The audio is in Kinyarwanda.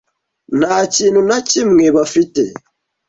Nta kintu na kimwe bafite.